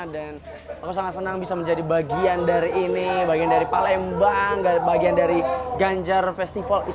dan aku sangat senang bisa menjadi bagian dari ini bagian dari palembang bagian dari ganjar festival